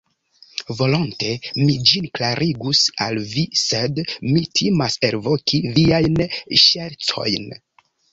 Volonte mi ĝin klarigus al vi, sed mi timas elvoki viajn ŝercojn.